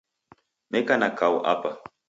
Neka na kau Apa.